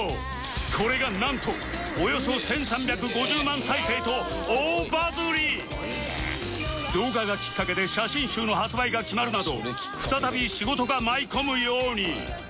これがなんと動画がきっかけで写真集の発売が決まるなど再び仕事が舞い込むように